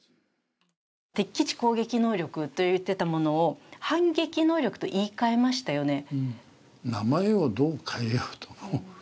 敵基地攻撃能力といっていたものを反撃能力と言いかえましたよね。